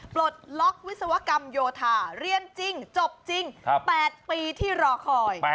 ปลดล็อกวิศวกรรมโยธาเรียนจริงจบจริง๘ปีที่รอคอย